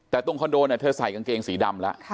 แต่ตรงคอนโดเธอใส่กางเกงสีดำแล้ว